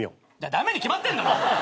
駄目に決まってんだろ。